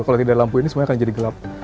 kalau tidak lampu ini sebenarnya akan jadi gelap